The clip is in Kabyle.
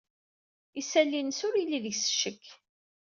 Isali-nnes ur yelli deg-s ccek.